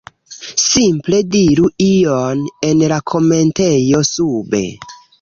simple diru ion en la komentejo sube